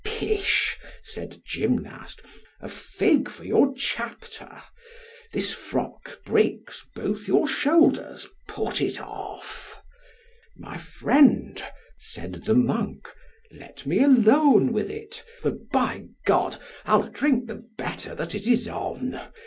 Pish! said Gymnast, a fig for your chapter! This frock breaks both your shoulders, put it off. My friend, said the monk, let me alone with it; for, by G , I'll drink the better that it is on.